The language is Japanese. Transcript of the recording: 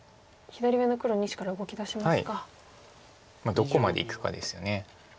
どこまでいくかです。